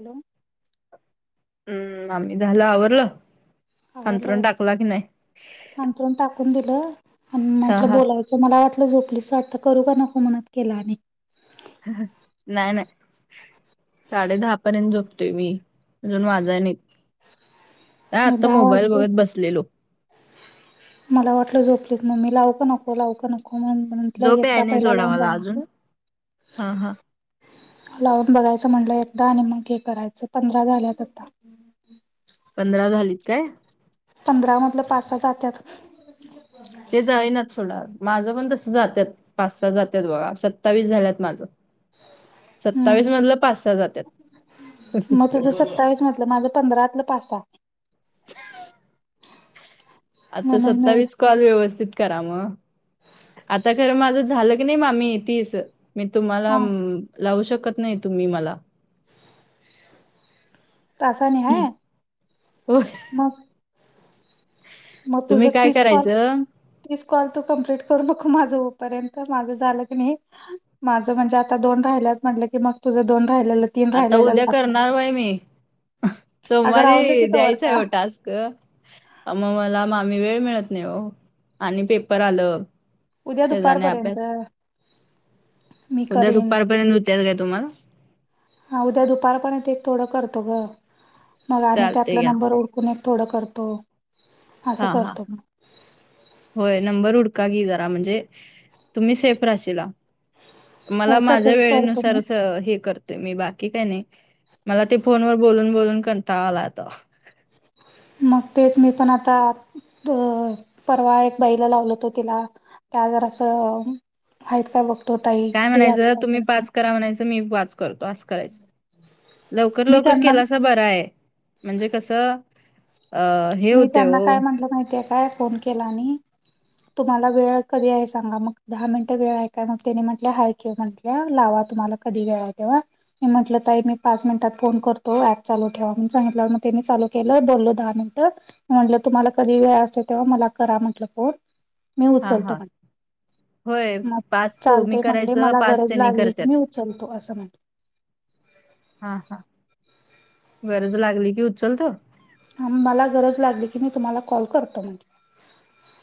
Hello हम्म आम्ही झालं आवरलं अंथरूण टाकला की नाही हंतरून टाकून दिलं आणि हा म्हटलं हा बोलायचं मला वाटलं झोपलीचं वाटत करू का नको मनात केला आणि नाही नाही साडे दहा पर्यंत, झोपतोय मी अजून वा जा येत नाही ह आता दहा मोबाईल वाजले बघत बसलेलो मला वाटलं झोपलीत मग मी लाव क नको लाव नको मण म्हटलं झोप यता याय नाही पहिला सोडा लावून मला अजून बघायचं हा हा लावून बघायचं म्हटलं एकदा आणि मग हे करायचं पंधरा झाल्यात आता पंधरा झालीत काय पंधरा मधलं पास सहा जातत ते जायना सणार माझं पण तस जातात पाच सहा जातात बघा सत्तावीस झाल्यात माझं सत्तावीस हम्म मधलं पाच सहा जातात मग तुझं सत्तावीस म माझ पंधराातलं पास, सहा आता म्हणून मी सत्तावीस कॉल व्यवस्थित करा मग आता खरं माझ झालं की नाही मा्मी तीच मी तुम्हाला हा लावू शकत नाही तुम्ही मला तं नाही हा होय. मग मग तुम्ही तुझं काय तीस पल करायचं तीच कॉल तू कं्प्लीट करू नक माझं होपर्यंत माझं झालं की नाही माझं म्हणजे आता दोन राहिल्यात म्हटलं की मग तुझं दोन राहिले आता उद्या करणार वय मी अगं सोमवारी राहून दे की तोवर द्यायचं का. आहे टास्क मग मला मामी वेळ मिळत नाही हो आणि पेपर आलं उद्या त्या जाण्या दुपारपर्यंत अभ्यास मी उद्या करीन. दुपार पर्यंत त्याच का तुम्हाला हा उद्या दुपारपर्यंत एक थोडं करतो ग मग आणि चालते त्यातला घ्या नंबर कोण एक थोडं करतो असं हा हा करतो मग. होय नंबर उडका की जरा म्हणजे तुम्ही सेफ राशला मला होय माझ्या तसंच करतो वेळेनुसार मी. हे कर मी बाकी काही नाही मला ते फोन व बोलून बोलून कणताा आलाता मग तेच मी पण आता अ परवा एक बाईला लावल होतो तिला त्या जरा असं आहेत काय बघ काय म्हणायचं तुम्ही पाच करा म्हणायचं मी पाच करतो असं करायचं लवकर मी लवकर त्यांना केलासा बर आहे म्हणजे कसं अ हे होते हो माहिती काय फोन केला म तुम्हाला वेळ कधी आहे सांगा मग दहा मिनिटं वेळ आहे काय मग त्यानी म्हटलं हरक म्हटलं लावा तुम्हाला कधी घेय तेव्हा म म्हटलं तई मी पाच मिनिटात फोन करतो प चालू ठेवा सांगितलं मग तेनी चालू केलं बोललो दहा मिनिट म्हटलं तुम्हाला कधी वेळ असे तेव्हा मला करा म्हटलं, फोन मी हां, उचलतो हां. पण होय, मग पाच तुम्ही चालतय म्हटले करायचं, मला पाच गरज त्यांनी लागली करत्यात. की मी उचलतो असं म्हट हा हा गरज लागली की उचलत मला गरज लागली की मी तुम्हाला कॉल करतो म्ह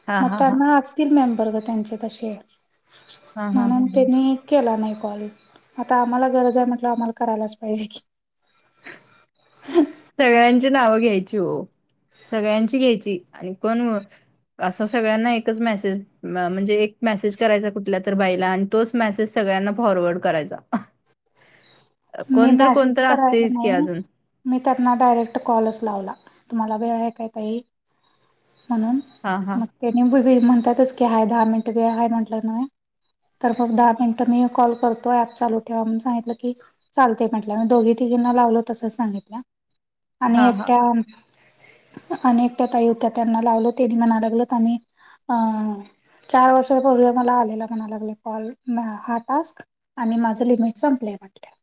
हां, मग हां, हां. त्यांना त मेंबर ग त्यांचे तसे हां, हां, हां, म्हणून हां. त्यांनी केला नाही कॉल आता आम्हाला गरज आहे म्हटल आम्हाला करायलाच पाहिजे की [unintelligible] सगळ्यांची नाव घ्यायची हो सगळ्यांची घ्यायची आणि कोण असं सगळ्यांना एकच मेसेज म्हणजे एक मेसेज करायचा कुठल्या तर बाईला तोच मेसेज सगळ्यांना फॉरवर्ड करायचा अ, मी कोण तर कोण मेसेज तर करायला असतंयच की नाही अजून. मी त्यांना डायरेक्ट कॉलच लावला तुम्हाला वेळ आहे काहीतही म्हणून हा हा ते निंबूी म्हणतातच की हय दहा मिनिट बेय म्हट न तर मग दहा मिनिट तर मी कॉल करतो ऍप चालू ठेवाणून सांगितलं की चालते म्हटलं मी दोघी तिघींना लावलो तस सांगितलं आणि हां, हां. एकट्या अनेकट्या तई होत्या त्यांना लावलो त्यांनी म्हणालागल तर आम्ही अं चार वर्षापूर्वी मला आलेला म्हणालागले कॉल हार् टास्क आणि माझं लिमिट संपलं आहे वाटलं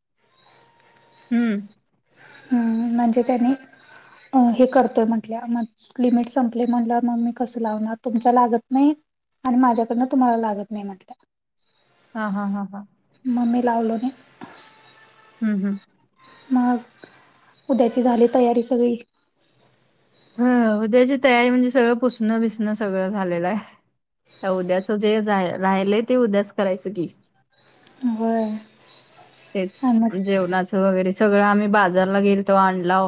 हम्म हम् म्हणजे त्यानी अ हे करतोय म्हंटल्या मग लिमिट संपले म्हणलं मम ममी कसं लावणार तुमच लागत नाही आणि माझ्याकडनं तुम्हाला लागत नाही म्हटलं हा हा हा हा ममी लावलोने हम् हम मग उद्याची झाली तयारी सगळी अ उद्याची तयारी म्हणजे सगळं पुसणं बिसणं सगळं झालेलं आहे त्या उद्याच जे राहिलंय ते उद्याच करायचं की होय तेच आणि मग जेवणाच वगैरे सगळं आम्ही बाजारला गेल तो आणला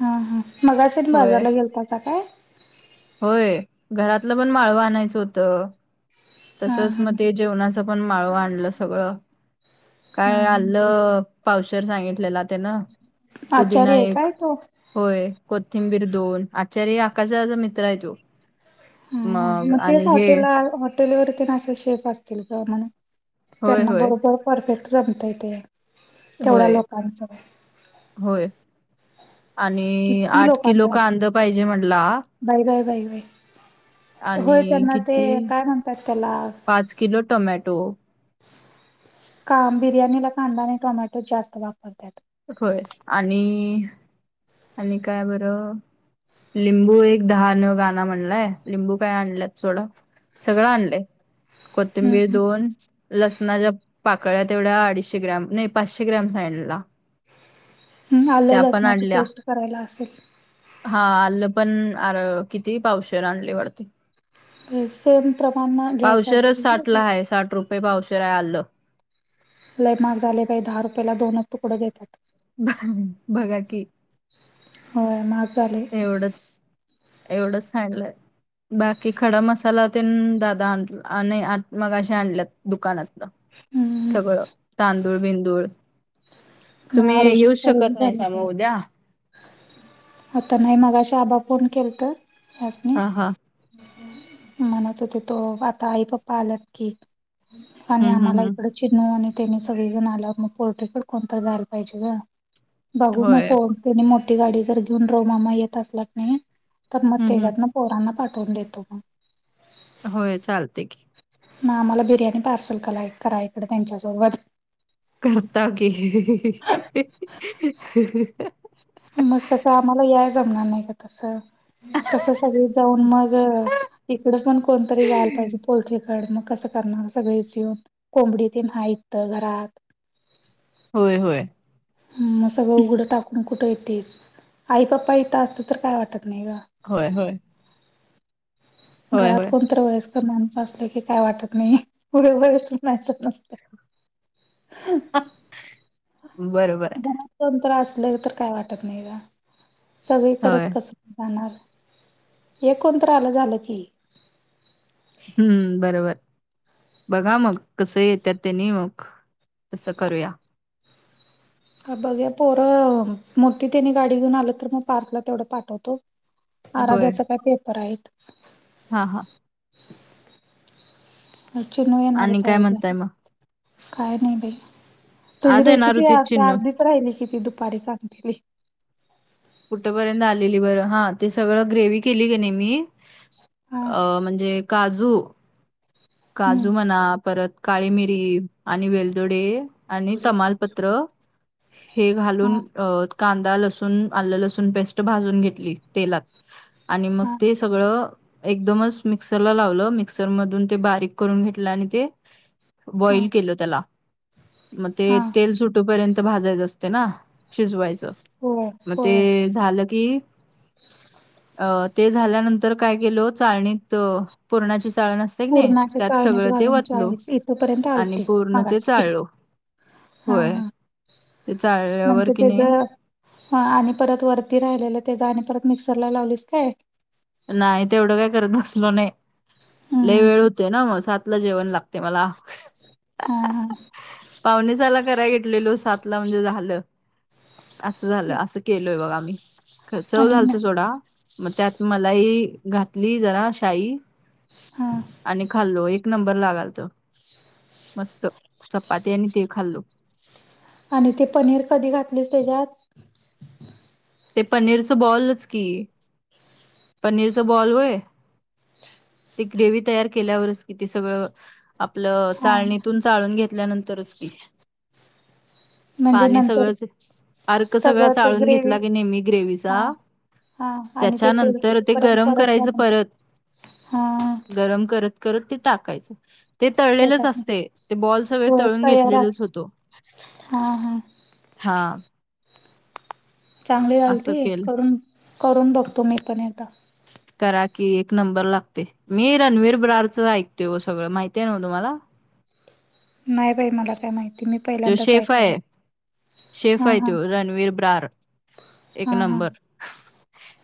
हा हा मगाशेत होय बाजारला गेलताचा काय होय घरातलं पण माळव आणायचं होतं हा तसंच हा मग ते जेवणाचं पण माळव आणलं सगळं हा काय हा आलं पावसर सांगितलेलं ते ना आचारी पुदिना आहे काय एकक तो होय कोथिंबीर दोन आचार्य आकाचाचा मित्र आहे तो हम म मग आणि हे हॉटेल हटेलवरती असं शेफ असतील का म्हण होय त्यांना होय बरोबर परफेक्ट जमता येते तेवढ्या होय लोकांचं होय आणि किती आठ किलो कांदा पाहिजे म्हटला बाय बाय बाय बाय होय आणि त्यांना ते किती काय म्हणतात त्याला पाच किलो टोमॅटो काम बिर्याणीला कांदा आणि टोमॅटो जास्त वापरतात होय आणि आणि काय बरं लिंबू एक दहा न गाण म्हणलाय लिंबू काय आणलंत सोडं सगळं आणलंय हम्म कोथंबीर हम्म दोन लसणा ज पाकळ्या तेवढ्या अडीचशे ग्रॅम नाही पाचशे ग्रॅम सांडला ह आल्या त्या पण लसणाची आणल्या पेस्ट करायला असेल हा आलं पण अर किती पावश आणली वाडते सेम प्रमाण घ्यायचं पावशरच असते ना साठला ते. आहे साठ रुपये पावशर आहे आलं लैमाग झाले पा दहा रुपयाेला दोनच तुकड देतात बघा कि होय म चाले एवढच एवढंच हॅडल आहे बाकी खडा मसाला ते दादा आणला आणि मग अे आणल्या दुकानातलं हम्म सगळं तांदूळ बिंदूळ तुम्ही ना आरुषी येऊ शकत खरेदी नाही झाल्या सामो सगळ्या उद्या आता नाही मगा शाबा फोन केला तर अस हा हा म्हणत होते तो आता आई पप्पा आलात की आणि हं, हं, आम्हाला हं. इकडे चिनू आणि त्याने सगळेजण आल्या मग पोर्ट्रेकडे कोणता जायला पा का बघू मग होय. फोन नी मोठी गाडी जर घेऊन रोमामा येत असलाच नाही तर मग हं, हं. त्याच्यातन पोरांना पाठवून देतो मग होय चालते की म आम्हाला बिर्याणी पार्सल कय करा इकडं त्यांच्यासोबत करता की मग कसं आम्हाला याय जमणार नाही का तसं कसं सगळी जाऊन मग तिकडच पण कोणतरी जायला पाहिजे पोल्ट्रीकड मग कसं सगळेन कोंबडी तयित घरात. होय होय. मग सगळं उघडं टाकून कुठं येतेस आई पप्पा येत असतं तर काय वाटत नाही ग. होय होय. होय, घरात होय. कोणतरी वळेस. माणसं असलं की काय वाटत नाही व वच मायचत नसत. बरोबर आहे. ंत्र असले तर काय वाटत नाही का होय. सगळीकडेच कस. जाणार हे कोणत्र आलं झालं की. हम्म बरोबर. बघा मग कसं येत त्यांनी मग तसं करूया. बघ्या पोरं मोठी त्यानी गाडी घेऊन आलं तर मग पार्कला तेवढं पाठवतो. आराध्याचा काय पेपर आहेत. हा हा. चिू आणि येणारच आहे काय म्हणताय उद्याला मग? काय नाही दे. तुझी आज येणार रेसिपी होतीत चिन्नू. अर्धीच राहिली किती दुपारी सांगली. कुठपर्यंत आलेली बरं हा ते सगळं ग्रेव्ही केली ग नाही मी.. हा अ म्हणजे काजू हम्म काजू मणा परत काळी मिरी आणि वेलदोडे. आणि तमालपत्र हे घालून हा अ कांदा लसूण आलं लसूण पेस्ट भाजून घेतली तेलात आणि मग हा ते सगळं एकदमच मिक्सरला लावलं मिक्सरमधून. ते बारीक करून घेतला आणि ते. हा बॉईल केलं त्याला मग ते हा तेल सुट तोपर्यंत भाजायच असते ना शिजवायच. होय मग होय ते झालं की अ ते झाल्यानंतर काय केल चाळणीत पुरणाची चाळण असते. की नाही, पूर्णाच्या त्यात चाळणीत सगळं ते घालून चाळ वतलो इथपर्यंत आणि आलते पूर्ण ते मगाशी. चाळलो. हा होय. हा ते चाळल्यावर म्हणजे की नाही त्याच ह आणि परत वरती राहिलेलं त्याचा आणि परत मिक्सरला लावलीस काय. नाही ते एवढं काय करत नसलो नाही हा लई वेळ होते ना मग सातला जेवण लाग ते मला. हा पावणीसाला कराय घेतलेलो सात ला म्हणजे झालं. असं झालं असं केलय बघा आम्ही ख चव आणि झालतो सोडा मग त्यात मलाही घातली जरा शाई. हा आणि खाल्लो एक नंबर लागाल त मस्त चपाती आणि ते खाल्लो. आणि ती पनीर कधी घातलीस त्याच्यात ते पनीरचं बॉलच की पनीरच बॉल वय ते ग्रेवही तयार केल्यावरच किती सगळं. आपलं हा चाळणीतून चाळून घेतल्यानंतरच क [unintelligible] पाणी नंतर सगळंच अर्क सगळं ते चाळून घेत ग्रेवी नेहमी हा ग्रेवीचा हा आणि ते तेल त्याच्यानंतर ते सुटेपर्यंत गरम परतल्या करायचं नंतर परत. हा गरम करत करत ते टाकायचं. ते तळलेलेच त्याच्यात असते ते बॉल सगळे होय तळून तयार घेतलेलच असत होतो. हा हा हा. चांगली झाल त असं केलं करून करून बघतो मी पण आता. करा कि एक नंबर लागते मी रणवीर ब्रारचं ऐकतेो सगळं माहिती आहे ना म तुम्हाला. नाही बाई मला काय माहिती. मी तो पहिल्यांदाच शेफ ऐकायला आहे, शेफ हा आहे हा तो रणवीर ब्रार. एक हा हा नंबर,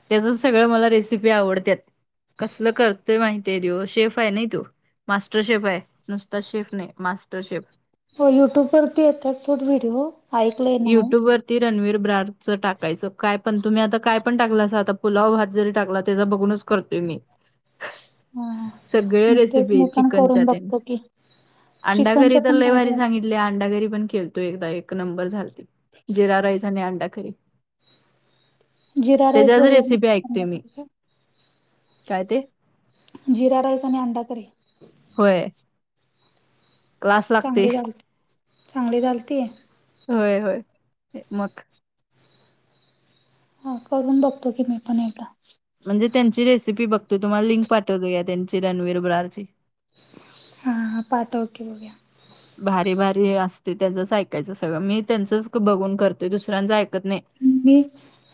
त्याच सगळं मला रेसिपी आवडत्यात. कसलं करतेय माहितीय तेव शेफ आहे नइ तो. मास्टरशेफ आहे, नुसता शेफ नाही, मास्टरशेफ. हो युट्यूबवरती येतात सोड व्हिडिओ. ऐकलंय नाव युट्यूबवर रणवीर ब्रारच टाकायचं. काय पण तुम्ही आता काय पण टाकलं अस आता पुलाव भात जरी टाकला त्याज बघूनच करतोय मी. ह. सगळे रेसिपी आहेत. चिकनच्या तेन की अंडा करी चिकनच्या तर पण लय भारी सांगित [unintelligible] अंडाकरी पण केळतो एकदा एक नंबर झाल जिरा राईस आणि अंडा करी. असतात जिरा राईस त्याच्याच बरोबर रेसिपी मस्त ऐकतोय अंडा मी, करी काय काय ते जिरा राइस आणि अंडा करी. होय. क्लास लागते. चांगली झाल, चांगली झालती. होय होय, मग हा करून बघतो की मी पण एकदा. म्हणजे त्यांची रेसिपी बघते, तुम्हाला लिंक पाठवते घ्या त्यांची रणवीर ब्रार ची. हा पाठव की बघूया. भारी भारी असते त्याचच ऐकायचं सगळं मी त्यांचंच बघून करते दुसऱ्यांच ऐकत नाही. मी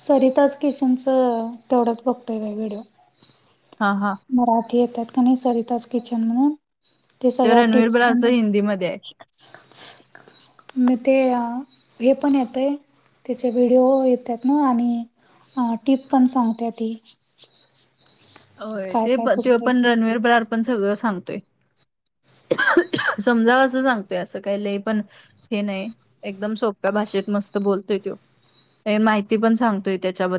सरिताज किचनच तेवढ्याच बघतोय बाई व्हिडिओ. हा, हा. मराठी येतात का नाही सरितास किचन म्हणून ते सगळ्या रणवीर टिप्स पण ब्रारचं बघतोय. हिंदीमध्ये आहे. म ते हे पण येतय. त्याचे व्हिडिओ येतात ना आणि टीप पण सांगत्या ती. होय काय ते काय पण त्यो चुकतंय पण रणवीर ब्रार पण सगळं सांगतोय. [inaudible] समजाव असं सांगतोय असं काही ल पण हे नाही एकदम सोप्या भाषेत मस्त बोलतोय तो. माहिती पण सांगतोय त्याच्याबद्दल.